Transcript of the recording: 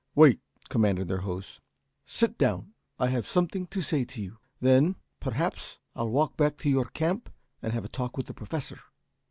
"Wait!" commanded their host. "Sit down! I have something to say to you. Then, perhaps, I'll walk back to your camp and have a talk with the Professor.